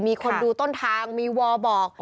มีคนดูต้นทางมีวบ